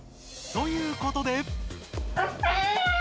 ということで。